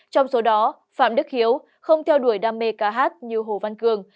trong số đó phạm đức hiếu không theo đuổi đam mê ca hát như hồ văn cường